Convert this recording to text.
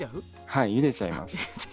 はいゆでちゃいます。